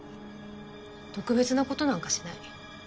特別なことなんかしない。